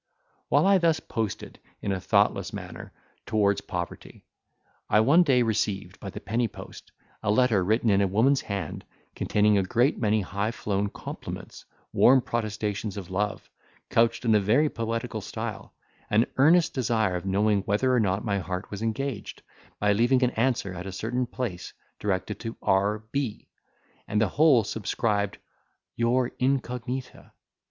While I thus posted, in a thoughtless manner, towards poverty, I one day received, by the penny post, a letter written in a woman's hand, containing a great many high flown compliments, warm protestations of love, couched in a very poetical style, an earnest desire of knowing whether or not my heart was engaged, by leaving an answer at a certain place, directed to R. B., and the whole subscribed "Your incognita."